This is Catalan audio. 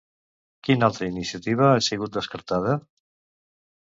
Quina altra iniciativa ha sigut descartada?